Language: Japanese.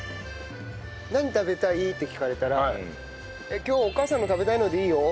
「何食べたい？」って聞かれたら「今日お母さんの食べたいのでいいよ」。